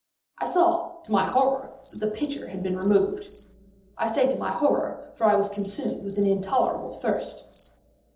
I saw, to my horror, that the pitcher had been removed. I say to my horror—for I was consumed with intolerable thirst.